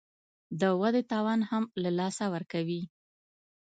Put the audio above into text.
د ودې توان هم له لاسه ورکوي